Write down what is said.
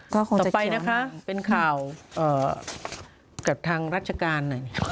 ต่อไปนะคะเป็นข่าวจากทางรัชกาล